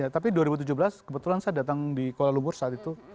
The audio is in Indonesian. tapi dua ribu tujuh belas kebetulan saya datang di kuala lumpur saat itu